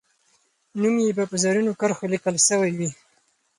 نوم یې به په زرینو کرښو لیکل سوی وي.